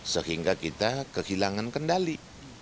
sehingga kita kehilangan kendali